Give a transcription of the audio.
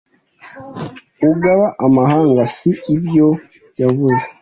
ugaba amahanga si ibyo yavuze